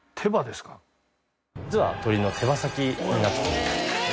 実は鶏の手羽先になっております。